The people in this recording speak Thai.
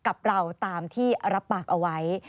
กับเราตามที่รับปากเอาไว้